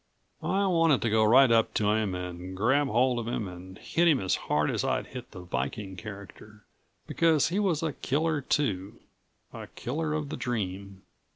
I wanted to go right up to him and grab hold of him and hit him as hard as I'd hit the Viking character, because he was a killer too a killer of the dream.